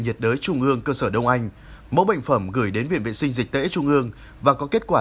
nhiệt đới trung ương cơ sở đông anh mẫu bệnh phẩm gửi đến viện vệ sinh dịch tễ trung ương và có kết quả